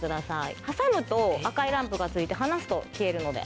挟むと赤いランプがついて離すと消えるので。